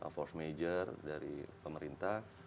force major dari pemerintah